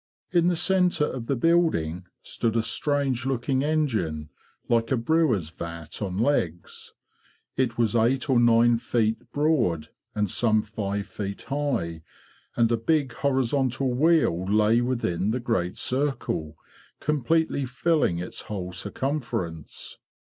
In the centre of the building stood a strange looking engine, like a brewer's vat on legs. It was eight or nine feet broad and some five feet high; and a big horizontal wheel lay within the great circle, completely filling its whole circumference.